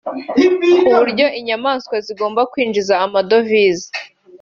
kuburyo inyamaswa zigomba kwinjiza amadovise